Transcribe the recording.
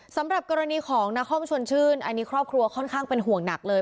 สำหรับกรณีของนครชวนชื่นอันนี้ครอบครัวค่อนข้างเป็นห่วงหนักเลย